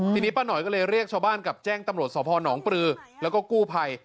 ทีนี้ป้าหน่อยก็เลยเรียกชาวบ้านกับแจ้งตำรวจสพนปลือแล้วก็กู้ภัย